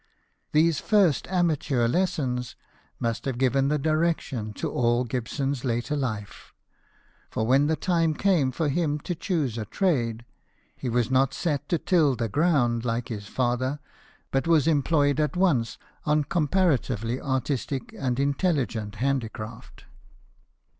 These first amateur lessons must have given the direction to all Gibson's later life : for when the time came for him to choose a trade, he was not set to till the ground like his father, but was employed at once on comparatively artistic and intelligent handicraft.